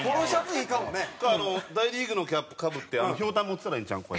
大リーグのキャップかぶってひょうたん持ってたらいいんちゃうん？